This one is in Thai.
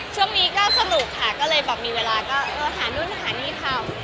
ช่วงนี้ก็สนุกค่ะก็เลยแบบมีเวลาก็หานู่นหานี่ทำ